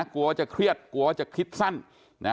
กลัวจะเครียดกลัวจะคิดสั้น